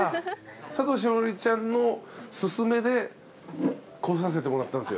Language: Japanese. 佐藤栞里ちゃんのすすめで来させてもらったんですよ。